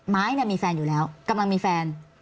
ม้ายเนี่ยมีแฟนอยู่แล้วกำลังมีแฟน